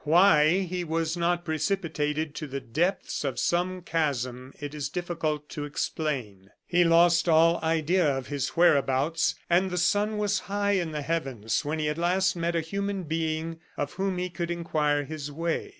Why he was not precipitated to the depths of some chasm it is difficult to explain. He lost all idea of his whereabouts, and the sun was high in the heavens when he at last met a human being of whom he could inquire his way.